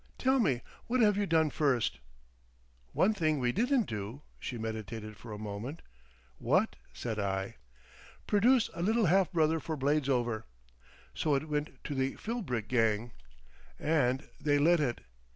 Tell me what you have done first." "One thing we didn't do." She meditated for a moment. "What?" said I. "Produce a little half brother for Bladesover. So it went to the Phillbrick gang. And they let it!